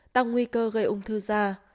tăng nguy cơ gây ung thư da